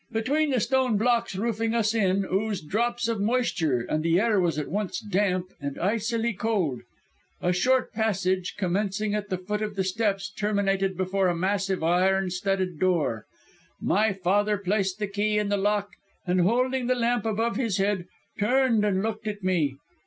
Between the stone blocks roofing us in oozed drops of moisture, and the air was at once damp and icily cold. "A short passage, commencing at the foot of the steps, terminated before a massive, iron studded door. My father placed the key in the lock, and holding the lamp above his head, turned and looked at me.